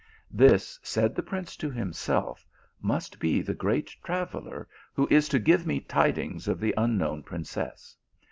This, said the prince to himself, must be the great traveller who is to give me tidings of the unknown princess.